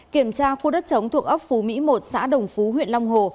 kiểm tra khu đất chống thuộc ốc phú mỹ một xã đồng phú huyện long hồ